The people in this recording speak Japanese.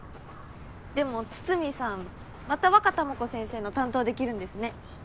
でも筒見さんまたワカタマコ先生の担当できるんですね。